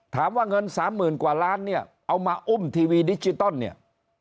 ถามว่าเงินสามหมื่นกว่าล้านเนี่ยเอามาอุ้มทีวีดิจิตอลเนี่ย